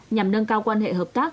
nhằm nâng cao quan hệ hợp tác